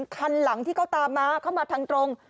คันหลังที่เขาตามมาเข้ามาทางตรง